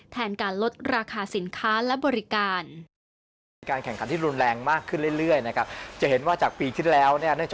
แทนการลดราคาสินค้าและบริการ